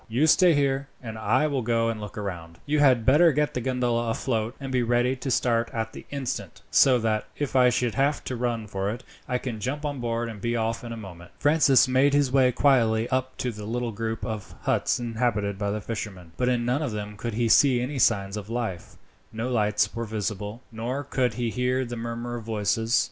You stay here, and I will go and look round. You had better get the gondola afloat, and be ready to start at the instant, so that, if I should have to run for it, I can jump on board and be off in a moment." Francis made his way quietly up to the little group of huts inhabited by the fishermen, but in none of them could he see any signs of life no lights were visible, nor could he hear the murmur of voices.